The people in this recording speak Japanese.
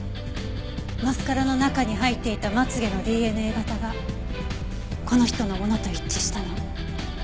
マスカラの中に入っていたまつ毛のＤＮＡ型がこの人のものと一致したの。